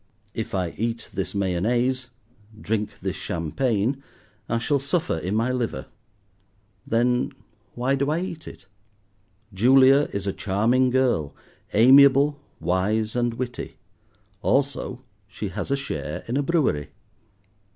If I eat this mayonnaise, drink this champagne, I shall suffer in my liver. Then, why do I eat it? Julia is a charming girl, amiable, wise, and witty; also she has a share in a brewery.